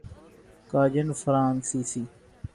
کاجن فرانسیسی